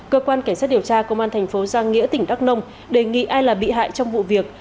cơ quan cảnh sát điều tra công an thành phố giang nghĩa tỉnh đắk nông đề nghị ai là bị hại trong vụ việc